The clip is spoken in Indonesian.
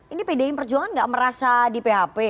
ini pdi perjuangan nggak merasa di php